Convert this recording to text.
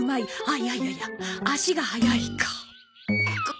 あっいやいやいや「足が速いか」。